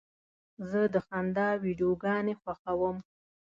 زه د خندا ویډیوګانې خوښوم.